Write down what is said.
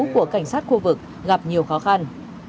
cảnh sát khu vực gặp nhiều khó khăn